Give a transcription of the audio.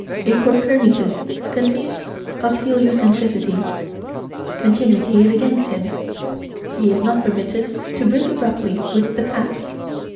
A Copernicus conceives of helio centricity. Continuity is against him. He is not permitted to break abruptly with the past.